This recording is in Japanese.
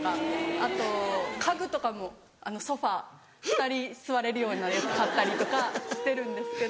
あと家具とかもソファ２人座れるようなやつ買ったりとかしてるんですけど。